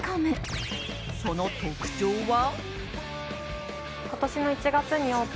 その特徴は？